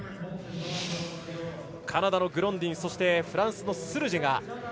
カナダのグロンディンそしてフランスのスルジェ。